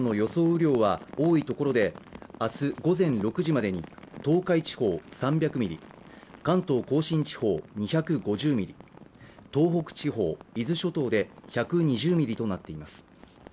雨量は多い所で明日午前６時までに東海地方３００ミリ、関東甲信地方２５０ミリ、東北地方、伊豆諸島で１２０ミリとなっています。